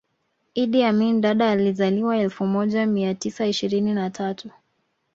Idi Amin Dada alizaliwa elfu moja mia tisa ishirini na tatu